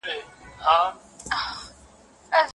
شاعره ویښ یې کنه؟